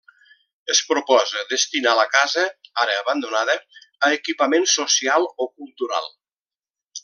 Es proposa destinar la casa, ara abandonada, a equipament social o cultural.